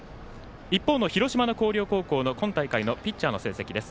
一方の広島の広陵高校の今大会のピッチャーの成績です。